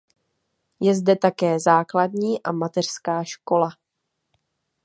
Je zde také základní a mateřská škola.